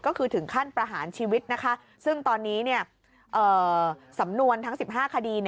ก็คือถึงขั้นประหารชีวิตนะคะซึ่งตอนนี้สำนวนทั้ง๑๕คดี